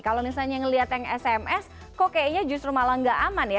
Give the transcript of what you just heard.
kalau misalnya ngelihat yang sms kok kayaknya justru malah nggak aman ya